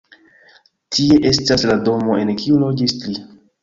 Tie estas la domo, en kiu loĝis li.